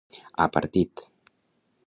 Ha partit.